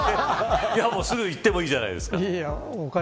すぐにいってもいいじゃないですか。